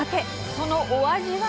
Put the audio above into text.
そのお味は？